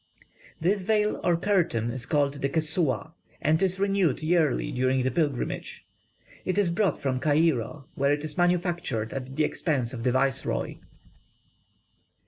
This veil or curtain is called 'the Kesoua,' and is renewed yearly during the pilgrimage. It is brought from Cairo, where it is manufactured at the expense of the Viceroy."